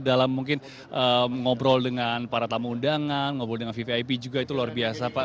dalam mungkin ngobrol dengan para tamu undangan ngobrol dengan vvip juga itu luar biasa pak